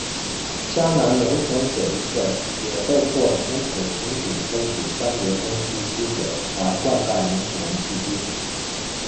嘉南农田水利会也被迫从此停止抽取三爷宫溪溪水来灌溉农田迄今。